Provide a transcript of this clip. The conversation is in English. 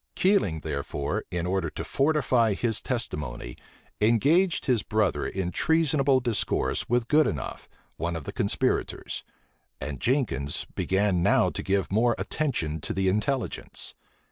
Keiling, therefore, in order to fortify his testimony, engaged his brother in treasonable discourse with Goodenough, one of the conspirators; and Jenkins began now to give more attention to the intelligence.